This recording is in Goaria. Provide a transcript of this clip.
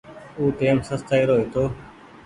او ٽيم سستآئي رو هيتو۔